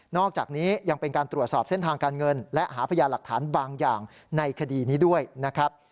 อกจากนี้ยังเป็นการตรวจสอบเส้นทางการเงินและหาพยานหลักฐานบางอย่างในคดีนี้ด้วยนะครับ